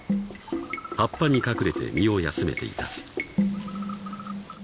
［葉っぱに隠れて身を休めていた］